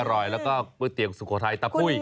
อร่อยแล้วก็ก๋วยเตี๋ยวสุโขทัยตะปุ้ย